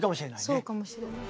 そうかもしれない。